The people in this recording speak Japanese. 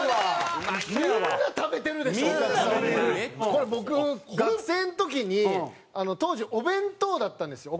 これ僕学生の時に当時お弁当だったんですよ。